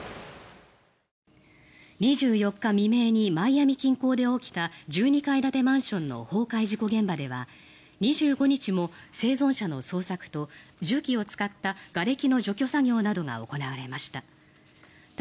２４日未明にマイアミ近郊で起きた１２階建てマンションの崩壊事故現場では２５日も生存者の捜索と重機を使ったがれきの除去作業などが行われました。